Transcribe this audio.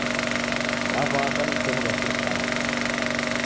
W'aw'adwa ni mkonu ghwa sirikali